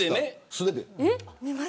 素手でね。